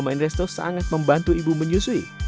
mama in resto sangat membantu ibu menyusui